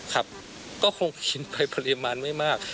ครับก็คงกินไปปริมาณไม่มาก